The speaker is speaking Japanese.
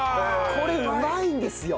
これうまいんですよ。